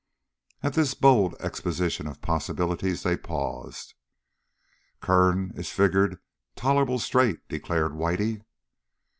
At this bold exposition of possibilities they paused. "Kern is figured tolerable straight," declared Whitey.